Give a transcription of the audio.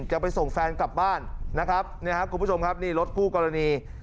จะไปส่งแฟนกลับบ้านนะครับเนี่ยครับคุณผู้ชมครับนี่รถคู่กรณี